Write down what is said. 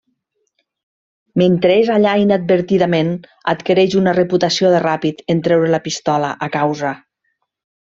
Mentre és allà inadvertidament adquireix una reputació de ràpid en treure la pistola a causa.